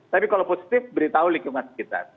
tapi kalau positif beritahu lingkungan sekitar